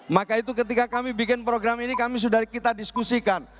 maka itu ketika kami bikin program ini kami sudah kita diskusikan